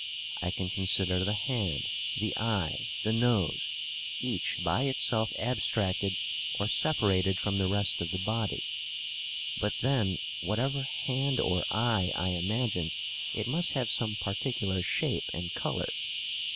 I can consider the hand, the eye, the nose, each by itself abstracted or separated from the rest of the body. But, then, whatever hand or eye I imagine, it must have some particular shape and colour.